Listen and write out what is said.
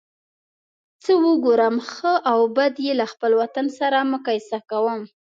څه وګورم ښه او بد یې له خپل وطن سره مقایسه کوم.